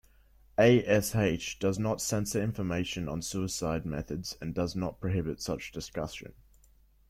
A.s.h does not censor information on suicide methods and does not prohibit such discussion.